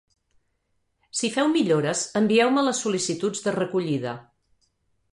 Si feu millores, envieu-me les sol·licituds de recollida.